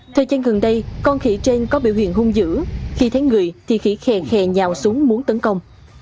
thời gian gần đây con khỉ trên có biểu hiện hung dữ khi thấy người thì khỉ khe khe nhào xuống muốn tấn công